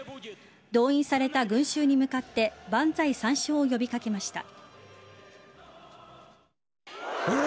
動員された群衆に向かって万歳三唱を呼び掛けました。